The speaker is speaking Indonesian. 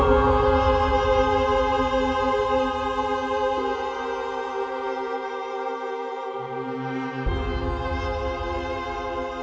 mencapai empat belas hari